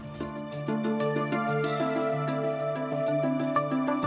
pertama kami ingin mencoba untuk mencoba